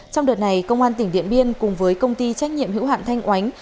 trong đợt này công an tỉnh điện biên cùng với công ty trách nhiệm hữu hạn thanh oánh